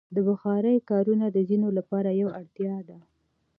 د بخارۍ کارونه د ځینو لپاره یوه اړتیا ده.